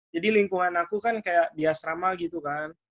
jadi lingkungan aku kan kayak di asrama gitu kan